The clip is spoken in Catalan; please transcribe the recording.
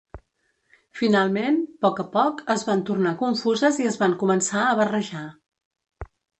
Finalment, poc a poc, es van tornar confuses i es van començar a barrejar.